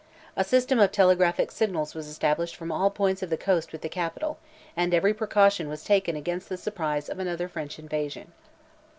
A system of telegraphic signals was established from all points of the coast with the Capital, and every precaution taken against the surprise of another French invasion.